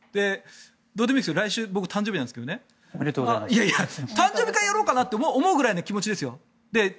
どうでもいいですけど来週、僕誕生日なんですけど誕生日会やろうかなと思うぐらいの気持ちですよ。